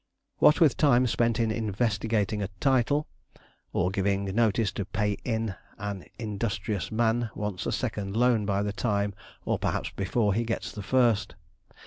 What with time spent in investigating a title, or giving notice to 'pay in,' an industrious man wants a second loan by the time, or perhaps before, he gets the first.